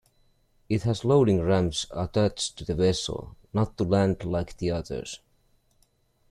It has loading ramps attached to the vessel, not to land like the others.